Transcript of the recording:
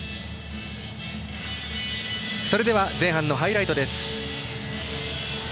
それでは前半のハイライトです。